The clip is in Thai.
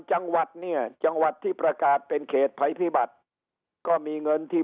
จังหวัดเนี่ยจังหวัดที่ประกาศเป็นเขตภัยพิบัติก็มีเงินที่